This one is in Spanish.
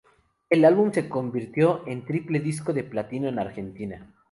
El álbum se convirtió en Triple Disco de Platino en Argentina.